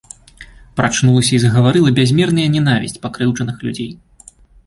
Прачнулася і загаварыла бязмерная нянавісць пакрыўджаных людзей.